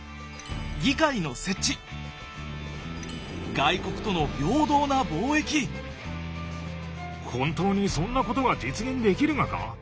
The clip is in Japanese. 外国との本当にそんなことが実現できるがか？